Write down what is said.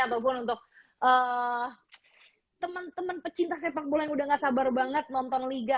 ataupun untuk teman teman pecinta sepak bola yang udah gak sabar banget nonton liga